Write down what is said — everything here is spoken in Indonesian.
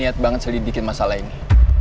niat banget selidikin masalah ini